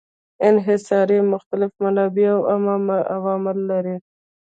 انحصار مختلف منابع او عوامل لري.